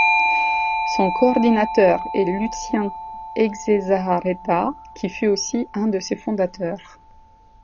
Son coordinateur est Luzien Etxezaharreta qui fut aussi un des ses fondateurs.